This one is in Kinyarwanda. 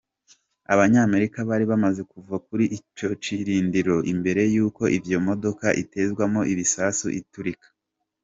Abanyamerika bari bamaze kuva kuri ico kirindiro, imbere yuko iyo modoka itezwemwo ibisasu iturika.